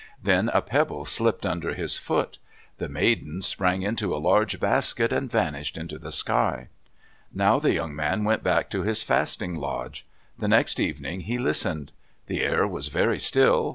Then a pebble slipped under his foot. The maidens sprang into a large basket, and vanished into the sky. Now the young man went back to his fasting lodge. The next evening he listened. The air was very still.